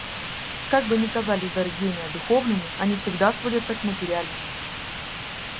Как бы ни казались дары гения духовными, они всегда сводятся к материальному.